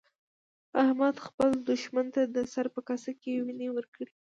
احمد خپل دوښمن ته د سر په کاسه کې وينې ورکړې.